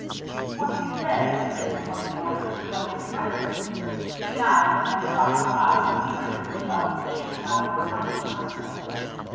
"What do you say?" He was looking at her. "Shall we do it?" She nodded, and then dropped her eyes, angry with herself that she could not overcome her nervousness.